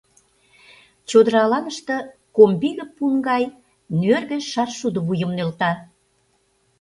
Чодыра аланыште комбиге пун гай нӧргӧ шаршудо вуйым нӧлта.